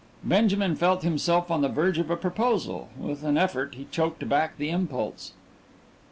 Benjamin felt himself on the verge of a proposal with an effort he choked back the impulse.